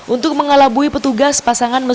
untuk mengalabui petugas pasangan mesum